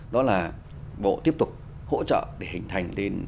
đó là bộ tiếp tục hỗ trợ để hình thành lên